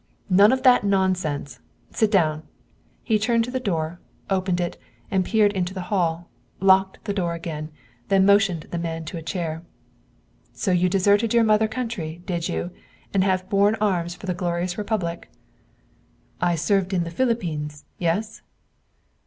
"None of that nonsense! Sit down!" He turned to the door, opened it, and peered into the hall, locked the door again, then motioned the man to a chair. "So you deserted your mother country, did you, and have borne arms for the glorious republic?" "I served in the Philippines, yes?"